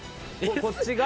こっちが。